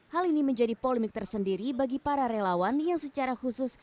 hal ini menjadi polemik tersendiri bagi para relawan yang secara khusus